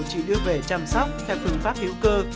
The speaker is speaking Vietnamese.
chị đưa về chăm sóc theo phương pháp hiếu cơ